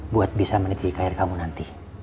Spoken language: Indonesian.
buat bisa menetik air kamu nanti